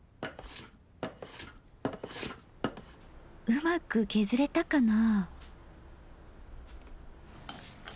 うまく削れたかな。